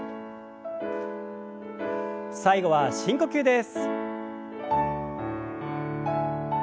最後は深呼吸です。